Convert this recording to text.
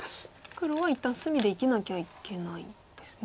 黒は一旦隅で生きなきゃいけないんですね。